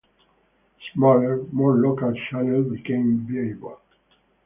Smaller, more local channels became viable.